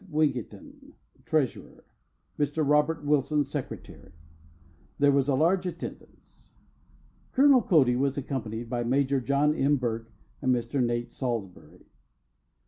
Wigington, treasurer; Mr. Robert Wilson, secretary. There was a large attendance. Colonel Cody was accompanied by Maj. John M. Burke and Mr. Nate Salsbury.